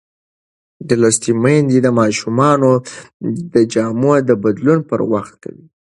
لوستې میندې د ماشومانو د جامو بدلون پر وخت کوي.